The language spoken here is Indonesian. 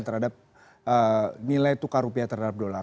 terhadap nilai tukar rupiah terhadap dolar